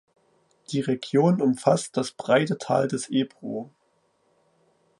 Die Region umfasst das breite Tal des Ebro.